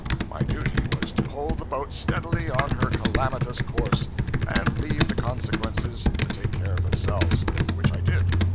My duty was to hold the boat steadily on her calamitous course, and leave the consequences to take care of themselves which I did.